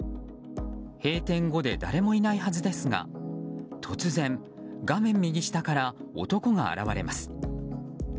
閉店後で誰もいないはずですが突然、画面右下から男が現れます。